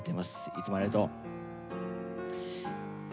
いつもありがとう。